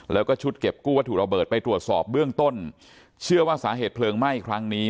แล้วก็ชุดเก็บกู้วัตถุระเบิดไปตรวจสอบเบื้องต้นเชื่อว่าสาเหตุเพลิงไหม้ครั้งนี้